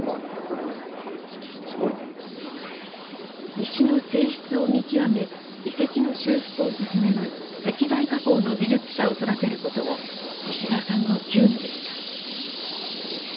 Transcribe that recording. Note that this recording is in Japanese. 石の性質を見極め遺跡の修復を進める石材加工の技術者を育てることも石澤さんの急務でした。